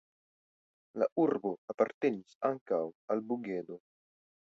La urbo apartenis ankaŭ al Bugedo.